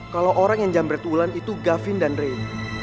kalau orang yang jamret wulan itu gavin dan ray